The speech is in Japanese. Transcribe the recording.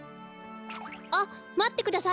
あっまってください